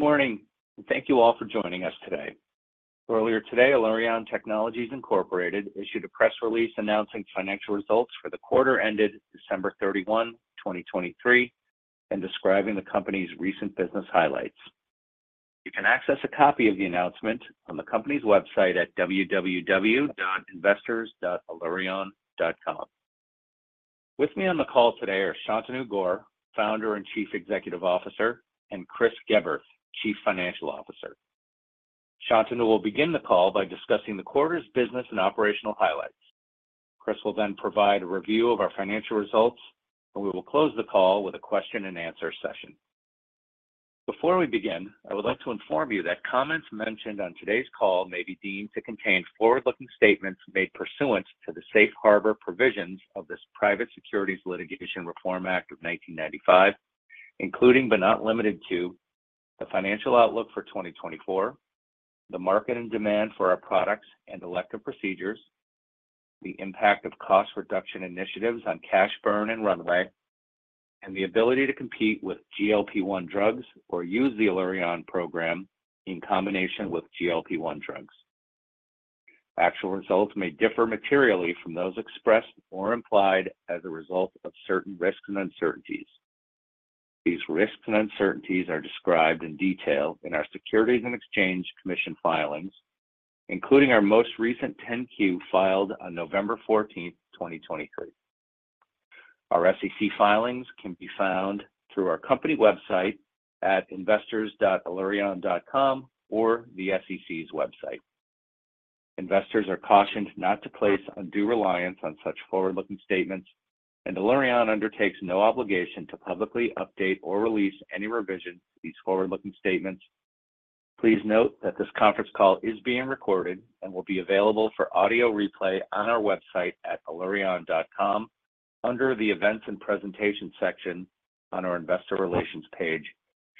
Good morning, and thank you all for joining us today. Earlier today, Allurion Technologies, Inc. issued a press release announcing financial results for the quarter ended December 31, 2023, and describing the company's recent business highlights. You can access a copy of the announcement on the company's website at www.investors.allurion.com. With me on the call today are Shantanu Gaur, Founder and Chief Executive Officer, and Chris Geberth, Chief Financial Officer. Shantanu will begin the call by discussing the quarter's business and operational highlights. Chris will then provide a review of our financial results, and we will close the call with a question-and-answer session. Before we begin, I would like to inform you that comments mentioned on today's call may be deemed to contain forward-looking statements made pursuant to the Safe Harbor provisions of the Private Securities Litigation Reform Act of 1995, including but not limited to: the financial outlook for 2024, the market and demand for our products and elective procedures, the impact of cost reduction initiatives on cash burn and runway, and the ability to compete with GLP-1 drugs or use the Allurion Program in combination with GLP-1 drugs. Actual results may differ materially from those expressed or implied as a result of certain risks and uncertainties. These risks and uncertainties are described in detail in our Securities and Exchange Commission filings, including our most recent 10-Q filed on November 14, 2023. Our SEC filings can be found through our company website at investors.allurion.com or the SEC's website. Investors are cautioned not to place undue reliance on such forward-looking statements, and Allurion undertakes no obligation to publicly update or release any revisions to these forward-looking statements. Please note that this conference call is being recorded and will be available for audio replay on our website at allurion.com under the Events and Presentations section on our Investor Relations page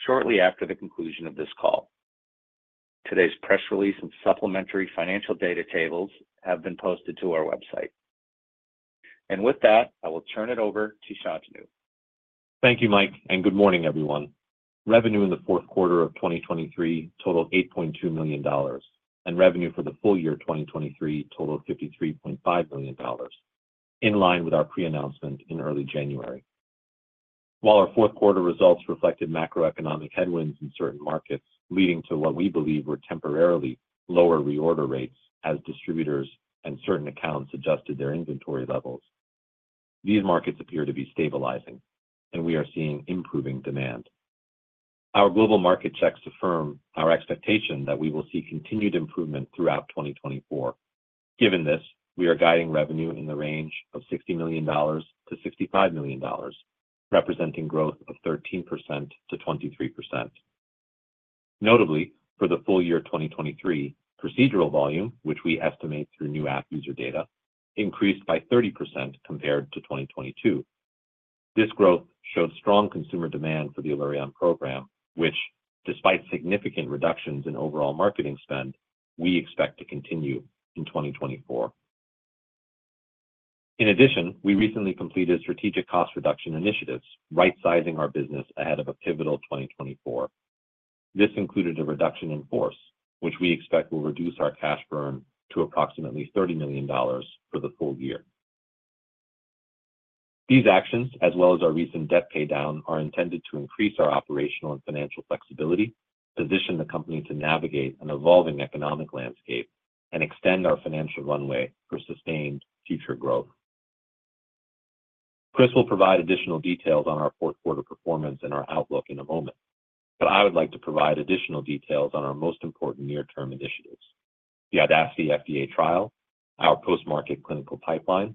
shortly after the conclusion of this call. Today's press release and supplementary financial data tables have been posted to our website. With that, I will turn it over to Shantanu. Thank you, Mike, and good morning, everyone. Revenue in the fourth quarter of 2023 totaled $8.2 million, and revenue for the full year 2023 totaled $53.5 million, in line with our pre-announcement in early January. While our fourth quarter results reflected macroeconomic headwinds in certain markets leading to what we believe were temporarily lower reorder rates as distributors and certain accounts adjusted their inventory levels, these markets appear to be stabilizing, and we are seeing improving demand. Our global market checks affirm our expectation that we will see continued improvement throughout 2024. Given this, we are guiding revenue in the range of $60 million-$65 million, representing growth of 13%-23%. Notably, for the full year 2023, procedural volume, which we estimate through new app user data, increased by 30% compared to 2022. This growth showed strong consumer demand for the Allurion Program, which, despite significant reductions in overall marketing spend, we expect to continue in 2024. In addition, we recently completed strategic cost reduction initiatives, right-sizing our business ahead of a pivotal 2024. This included a reduction in force, which we expect will reduce our cash burn to approximately $30 million for the full year. These actions, as well as our recent debt paydown, are intended to increase our operational and financial flexibility, position the company to navigate an evolving economic landscape, and extend our financial runway for sustained future growth. Chris will provide additional details on our fourth quarter performance and our outlook in a moment, but I would like to provide additional details on our most important near-term initiatives: the Audacity FDA trial, our post-market clinical pipeline,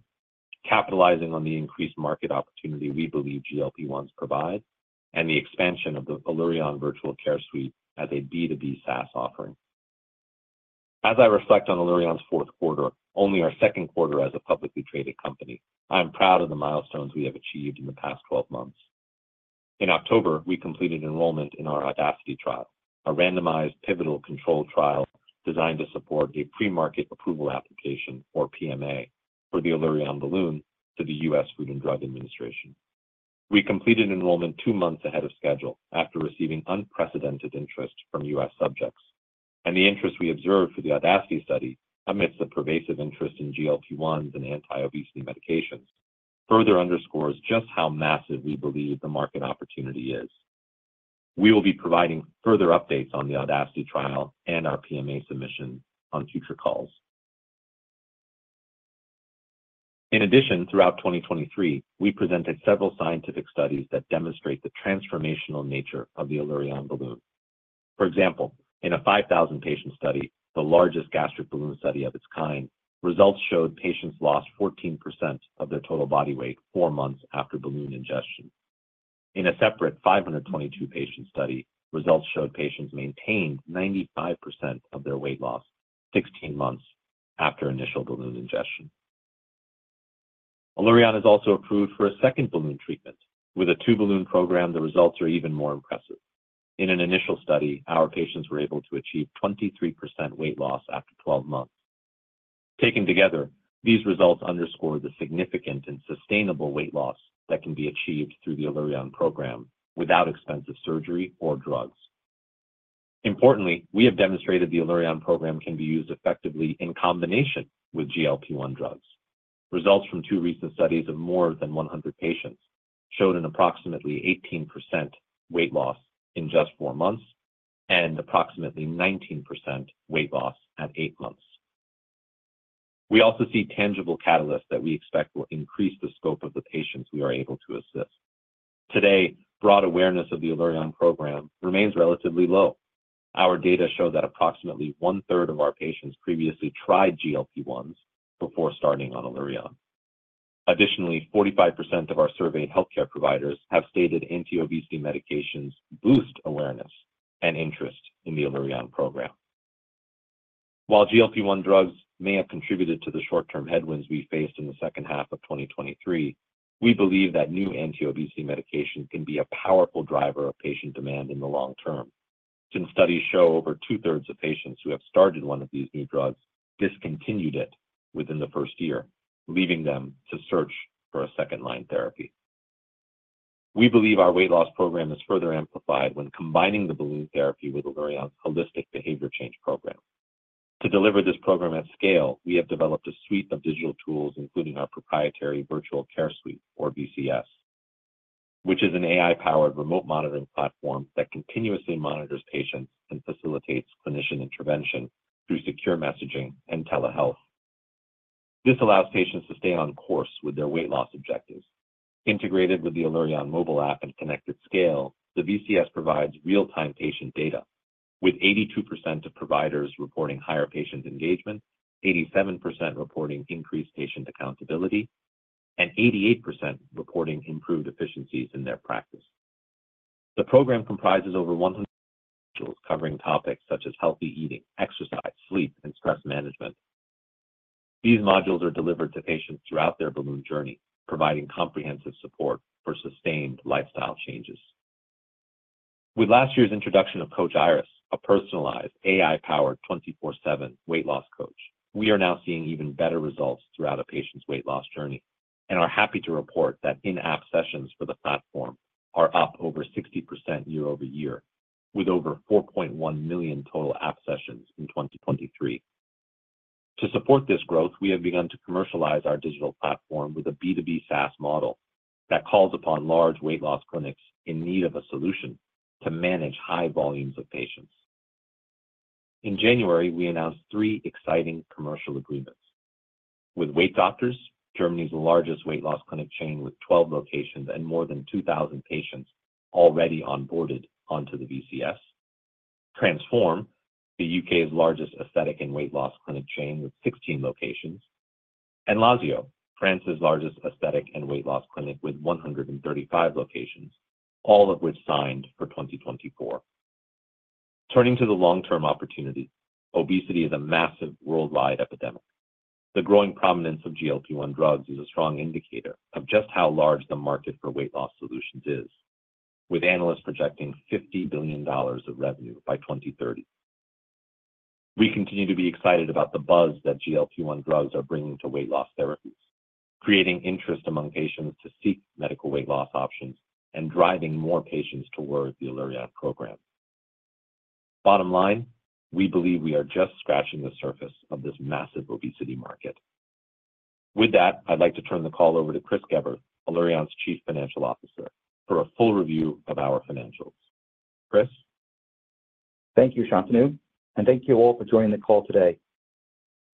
capitalizing on the increased market opportunity we believe GLP-1s provide, and the expansion of the Allurion Virtual Care Suite as a B2B SaaS offering. As I reflect on Allurion's fourth quarter, only our second quarter as a publicly traded company, I am proud of the milestones we have achieved in the past 12 months. In October, we completed enrollment in our Audacity trial, a randomized, pivotal controlled trial designed to support a pre-market approval application, or PMA, for the Allurion Balloon to the U.S. Food and Drug Administration. We completed enrollment two months ahead of schedule after receiving unprecedented interest from U.S. subjects, and the interest we observed for the Audacity study amidst the pervasive interest in GLP-1s and anti-obesity medications further underscores just how massive we believe the market opportunity is. We will be providing further updates on the Audacity trial and our PMA submission on future calls. In addition, throughout 2023, we presented several scientific studies that demonstrate the transformational nature of the Allurion Balloon. For example, in a 5,000-patient study, the largest gastric balloon study of its kind, results showed patients lost 14% of their total body weight four months after balloon ingestion. In a separate 522-patient study, results showed patients maintained 95% of their weight loss 16 months after initial balloon ingestion. Allurion has also approved for a second balloon treatment. With a two-balloon program, the results are even more impressive. In an initial study, our patients were able to achieve 23% weight loss after 12 months. Taken together, these results underscore the significant and sustainable weight loss that can be achieved through the Allurion Program without expensive surgery or drugs. Importantly, we have demonstrated the Allurion Program can be used effectively in combination with GLP-1 drugs. Results from two recent studies of more than 100 patients showed an approximately 18% weight loss in just four months and approximately 19% weight loss at eight months. We also see tangible catalysts that we expect will increase the scope of the patients we are able to assist. Today, broad awareness of the Allurion Program remains relatively low. Our data show that approximately one-third of our patients previously tried GLP-1s before starting on Allurion. Additionally, 45% of our surveyed healthcare providers have stated anti-obesity medications boost awareness and interest in the Allurion Program. While GLP-1 drugs may have contributed to the short-term headwinds we faced in the second half of 2023, we believe that new anti-obesity medications can be a powerful driver of patient demand in the long term, since studies show over two-thirds of patients who have started one of these new drugs discontinued it within the first year, leaving them to search for a second-line therapy. We believe our weight loss program is further amplified when combining the balloon therapy with Allurion's holistic behavior change program. To deliver this program at scale, we have developed a suite of digital tools, including our proprietary Virtual Care Suite, or VCS, which is an AI-powered remote monitoring platform that continuously monitors patients and facilitates clinician intervention through secure messaging and telehealth. This allows patients to stay on course with their weight loss objectives. Integrated with the Allurion mobile app and connected scale, the VCS provides real-time patient data, with 82% of providers reporting higher patient engagement, 87% reporting increased patient accountability, and 88% reporting improved efficiencies in their practice. The program comprises over 100 modules, covering topics such as healthy eating, exercise, sleep, and stress management. These modules are delivered to patients throughout their balloon journey, providing comprehensive support for sustained lifestyle changes. With last year's introduction of Coach Iris, a personalized, AI-powered 24/7 weight loss coach, we are now seeing even better results throughout a patient's weight loss journey and are happy to report that in-app sessions for the platform are up over 60% year-over-year, with over 4.1 million total app sessions in 2023. To support this growth, we have begun to commercialize our digital platform with a B2B SaaS model that calls upon large weight loss clinics in need of a solution to manage high volumes of patients. In January, we announced three exciting commercial agreements, with Weight Doctors, Germany's largest weight loss clinic chain with 12 locations and more than 2,000-patient already onboarded onto the VCS. Transform, the U.K.'s largest aesthetic and weight loss clinic chain with 16 locations; and Lazeo, France's largest aesthetic and weight loss clinic with 135 locations, all of which signed for 2024. Turning to the long-term opportunities, obesity is a massive worldwide epidemic. The growing prominence of GLP-1 drugs is a strong indicator of just how large the market for weight loss solutions is, with analysts projecting $50 billion of revenue by 2030. We continue to be excited about the buzz that GLP-1 drugs are bringing to weight loss therapies, creating interest among patients to seek medical weight loss options and driving more patients toward the Allurion Program. Bottom line, we believe we are just scratching the surface of this massive obesity market. With that, I'd like to turn the call over to Chris Geberth, Allurion's Chief Financial Officer, for a full review of our financials. Chris? Thank you, Shantanu, and thank you all for joining the call today.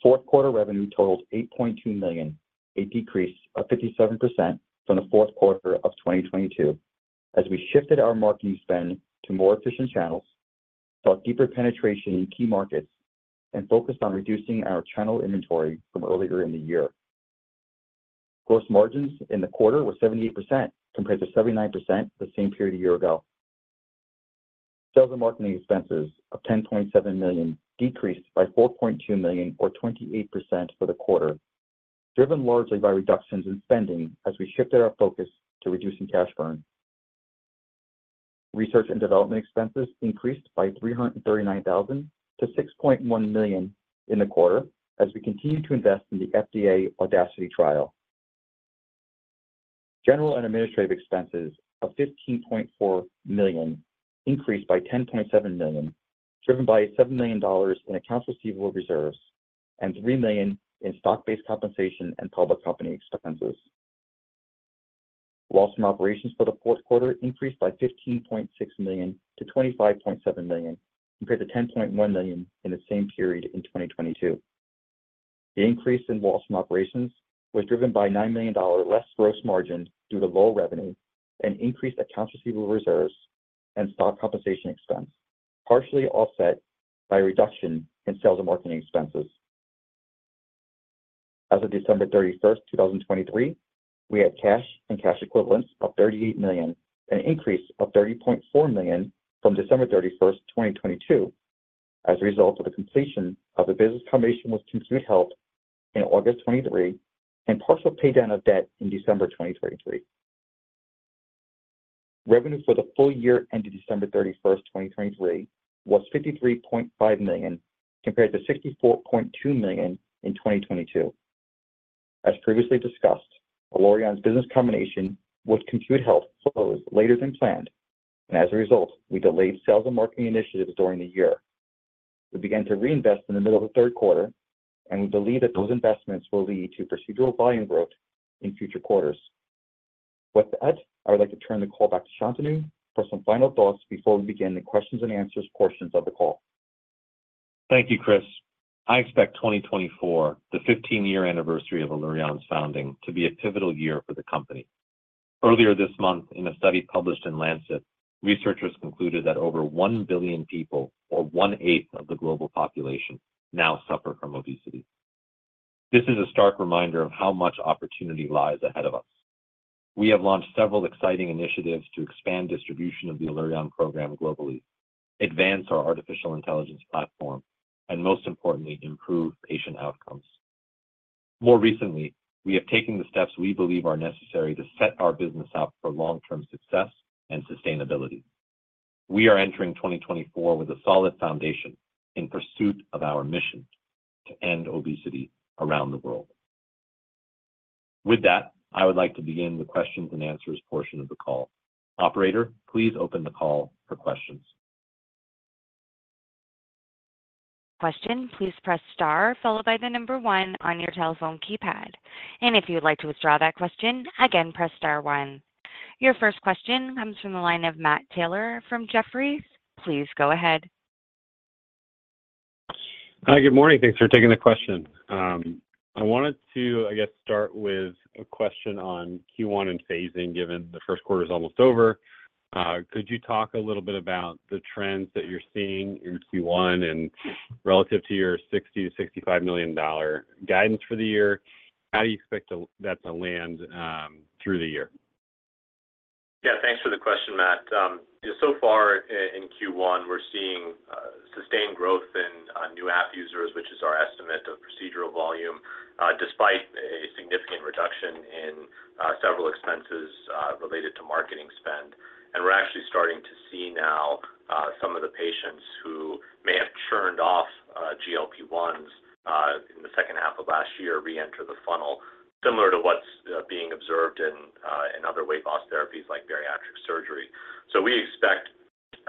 Fourth quarter revenue totaled 8.2 million, a decrease of 57% from the fourth quarter of 2022, as we shifted our marketing spend to more efficient channels, sought deeper penetration in key markets, and focused on reducing our channel inventory from earlier in the year. Gross margins in the quarter were 78% compared to 79% the same period a year ago. Sales and marketing expenses of 10.7 million decreased by 4.2 million, or 28% for the quarter, driven largely by reductions in spending as we shifted our focus to reducing cash burn. Research and development expenses increased by 339,000 to 6.1 million in the quarter as we continue to invest in the FDA Audacity trial. General and administrative expenses of 15.4 million increased by 10.7 million, driven by $7 million in accounts receivable reserves and $3 million in stock-based compensation and public company expenses. Loss from operations for the fourth quarter increased by 15.6 million to 25.7 million compared to 10.1 million in the same period in 2022. The increase in loss from operations was driven by a $9 million less gross margin due to low revenue and increased accounts receivable reserves and stock compensation expense, partially offset by a reduction in sales and marketing expenses. As of December 31, 2023, we had cash and cash equivalents of 38 million, an increase of 30.4 million from December 31, 2022, as a result of the completion of the business combination with Compute Health in August 2023 and partial paydown of debt in December 2023. Revenue for the full year ended December 31, 2023, was 53.5 million compared to 64.2 million in 2022. As previously discussed, Allurion's business combination with Compute Health closed later than planned, and as a result, we delayed sales and marketing initiatives during the year. We began to reinvest in the middle of the third quarter, and we believe that those investments will lead to procedural volume growth in future quarters. With that, I would like to turn the call back to Shantanu for some final thoughts before we begin the questions and answers portions of the call. Thank you, Chris. I expect 2024, the 15-year anniversary of Allurion's founding, to be a pivotal year for the company. Earlier this month, in a study published in Lancet, researchers concluded that over 1 billion people, or one-eighth of the global population, now suffer from obesity. This is a stark reminder of how much opportunity lies ahead of us. We have launched several exciting initiatives to expand distribution of the Allurion Program globally, advance our artificial intelligence platform, and most importantly, improve patient outcomes. More recently, we have taken the steps we believe are necessary to set our business up for long-term success and sustainability. We are entering 2024 with a solid foundation in pursuit of our mission to end obesity around the world. With that, I would like to begin the questions and answers portion of the call. Operator, please open the call for questions. question, please press star followed by the number 1 on your telephone keypad. If you would like to withdraw that question, again, press star one. Your first question comes from the line of Matt Taylor from Jefferies. Please go ahead. Hi, good morning. Thanks for taking the question. I wanted to, I guess, start with a question on Q1 and phasing, given the first quarter's almost over. Could you talk a little bit about the trends that you're seeing in Q1 and relative to your $60 million-$65 million guidance for the year? How do you expect that to land through the year? Yeah, thanks for the question, Matt. So far, in Q1, we're seeing sustained growth in new app users, which is our estimate of procedural volume, despite a significant reduction in several expenses related to marketing spend. We're actually starting to see now some of the patients who may have churned off GLP-1s in the second half of last year re-enter the funnel, similar to what's being observed in other weight loss therapies like bariatric surgery. So we expect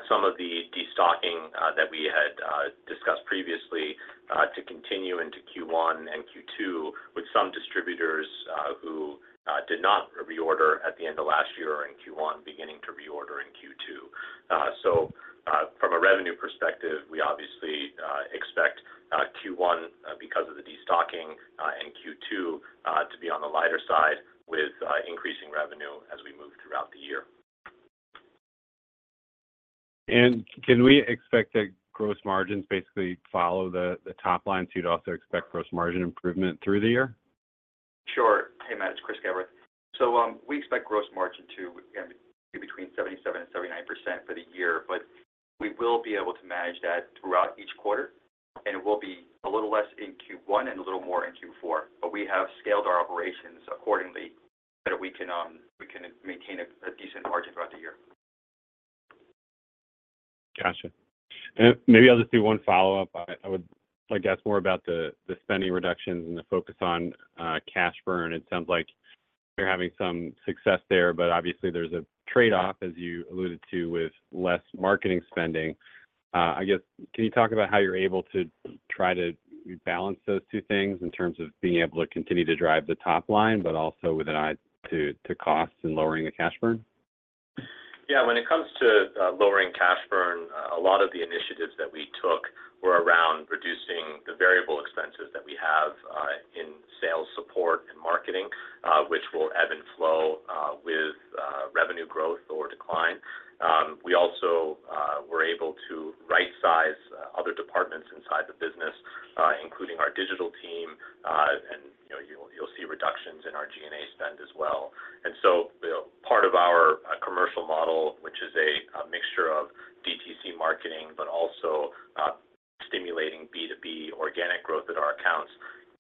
some of the destocking that we had discussed previously to continue into Q1 and Q2 with some distributors who did not reorder at the end of last year or in Q1 beginning to reorder in Q2. So, from a revenue perspective, we obviously expect Q1, because of the destocking, and Q2 to be on the lighter side with increasing revenue as we move throughout the year. Can we expect that gross margins basically follow the top line, so you'd also expect gross margin improvement through the year? Sure. Hey, Matt, it's Chris Geberth. So, we expect gross margin to be between 77%-79% for the year, but we will be able to manage that throughout each quarter. And it will be a little less in Q1 and a little more in Q4, but we have scaled our operations accordingly so that we can, we can maintain a, a decent margin throughout the year. Gotcha. And maybe I'll just do one follow-up. I would like to ask more about the spending reductions and the focus on cash burn. It sounds like you're having some success there, but obviously, there's a trade-off, as you alluded to, with less marketing spending. I guess, can you talk about how you're able to try to balance those two things in terms of being able to continue to drive the top line, but also with an eye to costs and lowering the cash burn? Yeah, when it comes to lowering cash burn, a lot of the initiatives that we took were around reducing the variable expenses that we have in sales support and marketing, which will ebb and flow with revenue growth or decline. We also were able to right-size other departments inside the business, including our digital team, and you know, you'll see reductions in our G&A spend as well. And so the part of our commercial model, which is a mixture of DTC marketing but also stimulating B2B organic growth at our accounts,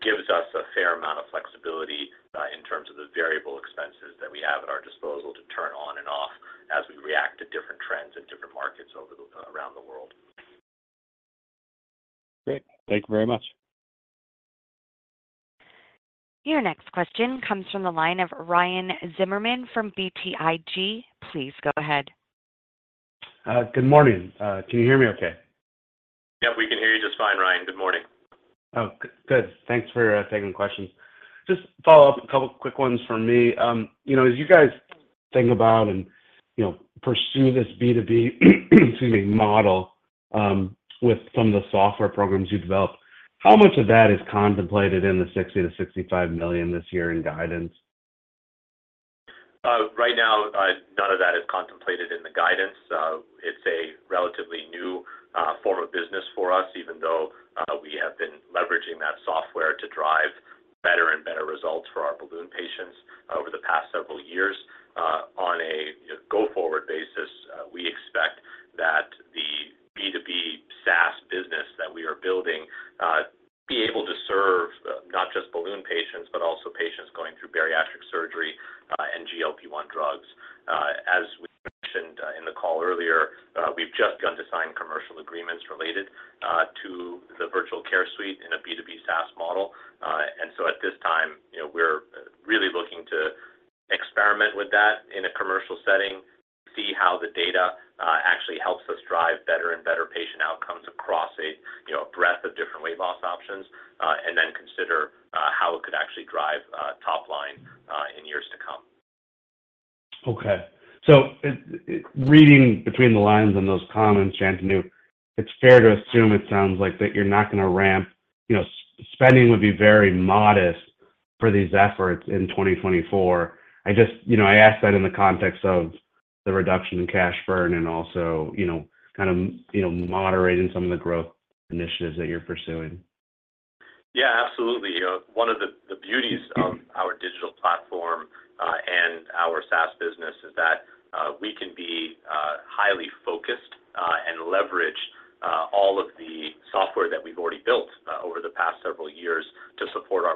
gives us a fair amount of flexibility in terms of the variable expenses that we have at our disposal to turn on and off as we react to different trends in different markets around the world. Great. Thank you very much. Your next question comes from the line of Ryan Zimmerman from BTIG. Please go ahead. Good morning. Can you hear me okay? Yeah, we can hear you just fine, Ryan. Good morning. Oh, good. Thanks for taking questions. Just follow up a couple quick ones from me. You know, as you guys think about and, you know, pursue this B2B, excuse me, model, with some of the software programs you develop, how much of that is contemplated in the 60-65 million this year in guidance? Right now, none of that is contemplated in the guidance. It's a relatively new form of business for us, even though we have been leveraging that software to drive better and better results for our balloon patients over the past several years. On a, you know, go-forward basis, we expect that the B2B SaaS business that we are building be able to serve not just balloon patients but also patients going through bariatric surgery and GLP-1 drugs. As we mentioned in the call earlier, we've just begun to sign commercial agreements related to the Virtual Care Suite in a B2B SaaS model. And so at this time, you know, we're really looking to experiment with that in a commercial setting to see how the data actually helps us drive better and better patient outcomes across a, you know, a breadth of different weight loss options, and then consider how it could actually drive top line in years to come. Okay. So reading between the lines and those comments, Shantanu, it's fair to assume, it sounds like, that you're not gonna ramp, you know, spending would be very modest for these efforts in 2024. I just, you know, I asked that in the context of the reduction in cash burn and also, you know, kind of, you know, moderating some of the growth initiatives that you're pursuing. Yeah, absolutely. One of the beauties of our digital platform, and our SaaS business is that we can be highly focused, and leverage all of the software that we've already built over the past several years to support our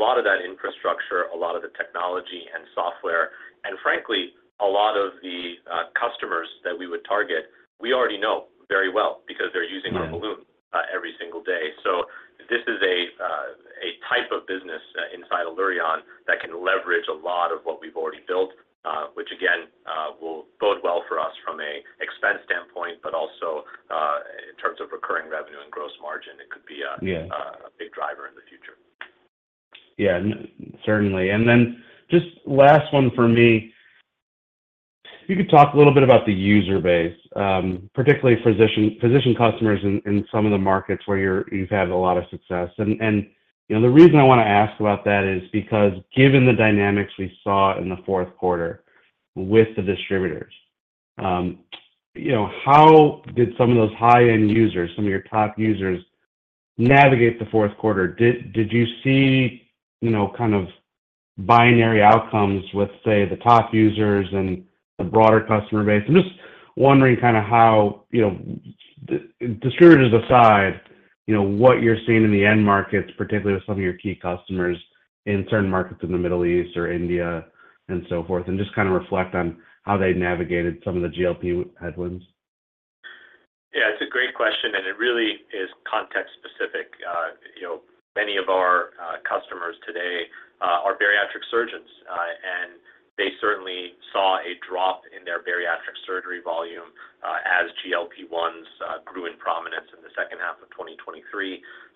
balloon patients. So a lot of that infrastructure, a lot of the technology and software, and frankly, a lot of the customers that we would target, we already know very well because they're using our balloon every single day. So this is a type of business inside Allurion that can leverage a lot of what we've already built, which again will bode well for us from a expense standpoint but also in terms of recurring revenue and gross margin; it could be a big driver in the future. Yeah, certainly. And then just last one for me. If you could talk a little bit about the user base, particularly physician customers in some of the markets where you've had a lot of success. And you know, the reason I wanna ask about that is because given the dynamics we saw in the fourth quarter with the distributors, you know, how did some of those high-end users, some of your top users, navigate the fourth quarter? Did you see, you know, kind of binary outcomes with, say, the top users and the broader customer base? I'm just wondering kind of how, you know, distributors aside, you know, what you're seeing in the end markets, particularly with some of your key customers in certain markets in the Middle East or India and so forth, and just kind of reflect on how they navigated some of the GLP headwinds. Yeah, it's a great question, and it really is context-specific. You know, many of our customers today are bariatric surgeons, and they certainly saw a drop in their bariatric surgery volume, as GLP-1s grew in prominence in the second half of 2023.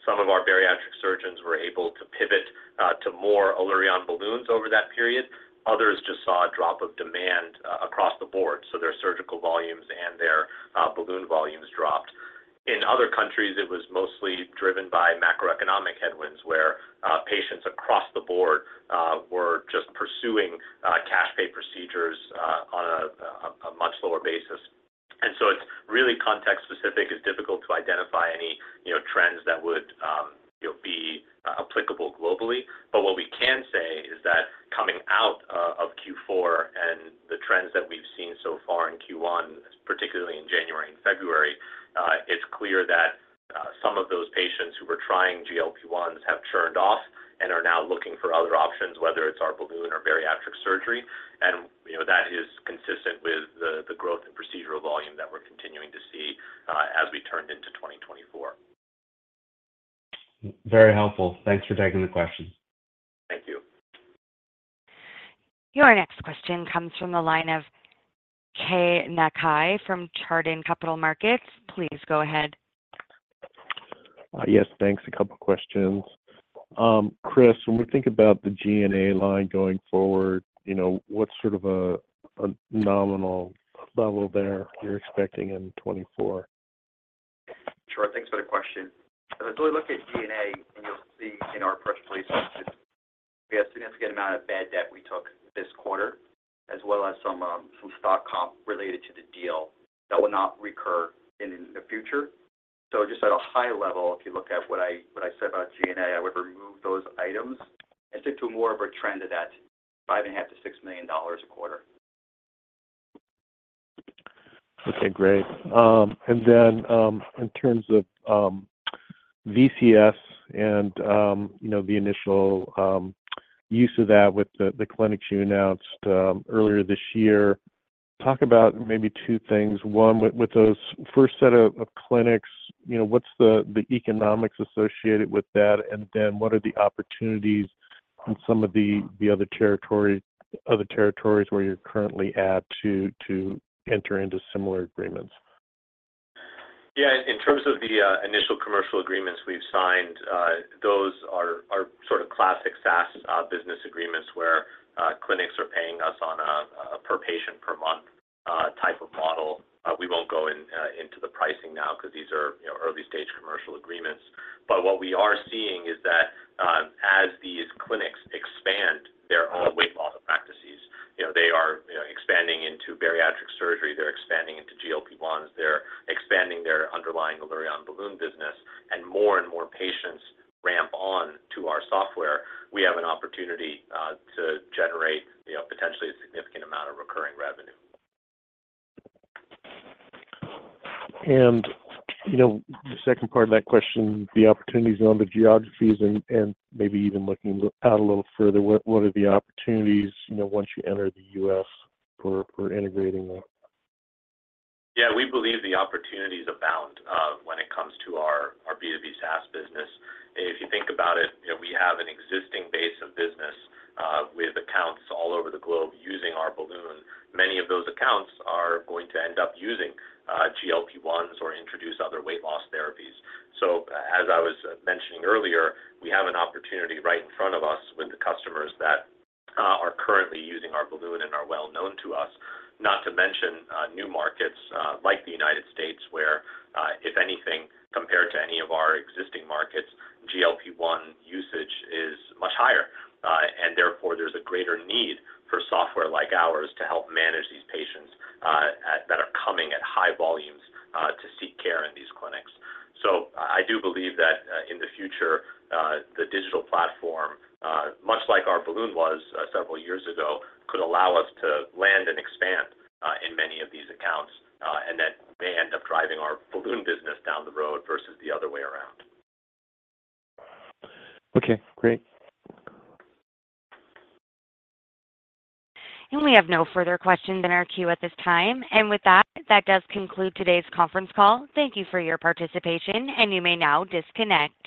Some of our bariatric surgeons were able to pivot to more Allurion Balloons over that period. Others just saw a drop of demand across the board, so their surgical volumes and their balloon volumes dropped. In other countries, it was mostly driven by macroeconomic headwinds where patients across the board were just pursuing cash-pay procedures on a much lower basis. And so it's really context-specific. It's difficult to identify any you know trends that would you know be applicable globally. What we can say is that coming out of Q4 and the trends that we've seen so far in Q1, particularly in January and February, it's clear that some of those patients who were trying GLP-1s have churned off and are now looking for other options, whether it's our balloon or bariatric surgery. And, you know, that is consistent with the growth in procedural volume that we're continuing to see, as we turned into 2024. Very helpful. Thanks for taking the question. Thank you. Your next question comes from the line of Keay Nakae from Chardan Capital Markets. Please go ahead. Yes, thanks. A couple questions. Chris, when we think about the G&A line going forward, you know, what sort of a nominal level there you're expecting in 2024? Sure. Thanks for the question. If we look at G&A, and you'll see in our press release, it's just we have a significant amount of bad debt we took this quarter, as well as some, some stock comp related to the deal that will not recur in, in the future. So just at a high level, if you look at what I—what I said about G&A, I would remove those items and stick to more of a trend of that $5.5-$6 million a quarter. Okay, great. Then, in terms of VCS and, you know, the initial use of that with the clinics you announced earlier this year, talk about maybe two things. One, with those first set of clinics, you know, what's the economics associated with that? And then what are the opportunities in some of the other territories where you're currently at to enter into similar agreements? Yeah, in terms of the initial commercial agreements we've signed, those are sort of classic SaaS business agreements where clinics are paying us on a per patient per month type of model. We won't go into the pricing now 'cause these are, you know, early-stage commercial agreements. But what we are seeing is that as these clinics expand their own weight loss practices, you know, they are, you know, expanding into bariatric surgery, they're expanding into GLP-1s, they're expanding their underlying Allurion Balloon business, and more and more patients ramp on to our software, we have an opportunity to generate, you know, potentially a significant amount of recurring revenue. You know, the second part of that question, the opportunities on the geographies and maybe even looking out a little further, what are the opportunities, you know, once you enter the U.S. for integrating them? Yeah, we believe the opportunities abound, when it comes to our, our B2B SaaS business. If you think about it, you know, we have an existing base of business, with accounts all over the globe using our balloon. Many of those accounts are going to end up using, GLP-1s or introduce other weight loss therapies. So, as I was, mentioning earlier, we have an opportunity right in front of us with the customers that, are currently using our balloon and are well known to us, not to mention, new markets, like the United States where, if anything, compared to any of our existing markets, GLP-1 usage is much higher. And therefore, there's a greater need for software like ours to help manage these patients, at that are coming at high volumes, to seek care in these clinics. I do believe that, in the future, the digital platform, much like our balloon was several years ago, could allow us to land and expand in many of these accounts, and that may end up driving our balloon business down the road versus the other way around. Okay, great. We have no further questions in our queue at this time. With that, that does conclude today's conference call. Thank you for your participation, and you may now disconnect.